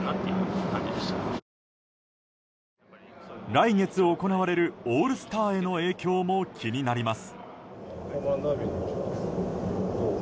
来月行われるオールスターへの影響も気になります。